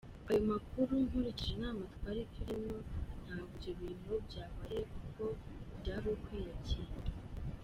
Ayo makuru nkurikije inama twari turimo ntabwo ibyo bintu byabaye kuko byari ukwiyakira.